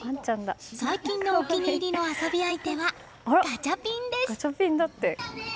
最近のお気に入りの遊び相手はガチャピンです。